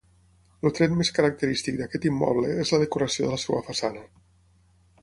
El tret més característic d'aquest immoble és la decoració de la seva façana.